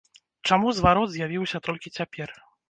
Чаму зварот з'явіўся толькі цяпер?